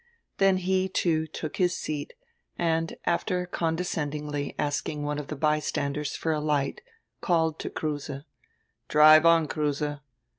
Then he, too, took his seat and after condescendingly ask ing one of die bystanders for a light called to Kruse: "Drive on, Kruse."